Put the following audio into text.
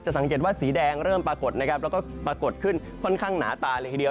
สังเกตว่าสีแดงเริ่มปรากฏนะครับแล้วก็ปรากฏขึ้นค่อนข้างหนาตาเลยทีเดียว